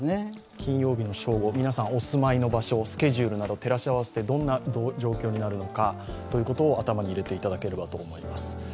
金曜日の正午、皆さん、お住まいの場所、スケジュールなど照らし合わせてどんな状況になるのかということを頭に入れていただければと思います。